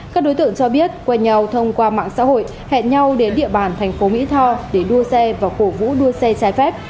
các đối tượng cho biết quen nhau thông qua mạng xã hội hẹn nhau đến địa bàn thành phố mỹ tho để đua xe và cổ vũ đua xe trái phép